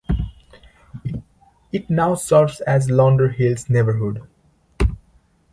It now serves as Lauderhill's neighborhood.